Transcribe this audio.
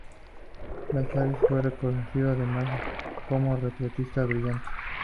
Lachaise fue reconocido además como un retratista brillante.